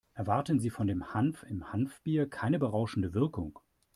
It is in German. Erwarten Sie von dem Hanf im Hanfbier keine berauschende Wirkung.